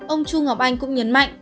ông chu ngọc anh cũng nhấn mạnh